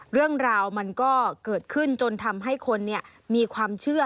เรื่องราวมันก็เกิดขึ้นจนทำให้คนมีความเชื่อ